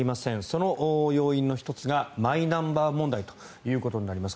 その要因の１つがマイナンバー問題ということになります。